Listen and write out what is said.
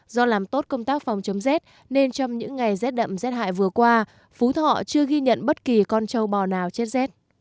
do làm tốt công tác phòng chống z nên trong những ngày z đậm z hại vừa qua phú thọ chưa ghi nhận bất kỳ con châu bò nào chết z